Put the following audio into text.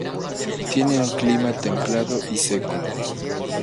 Tiene un clima templado y seco.